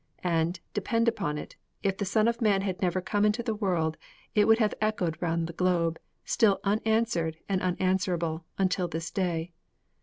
And, depend upon it, if the Son of Man had never come into the world, it would have echoed round the globe still unanswered and unanswerable until this day.